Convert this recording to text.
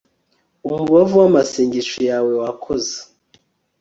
umubavu w'amasengesho yawe wakoze